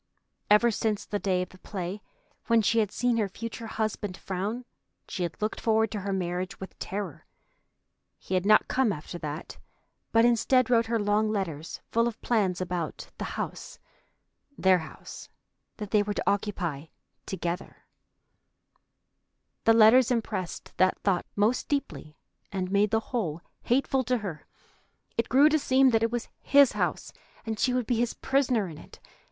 Ever since the day of the play when she had seen her future husband frown, she had looked forward to her marriage with terror. He had not come after that, but instead wrote her long letters full of plans about the house, their house, that they were to occupy together. The letters impressed that thought most deeply and made the whole hateful to her. It grew to seem that it was his house, and she would be his prisoner in it.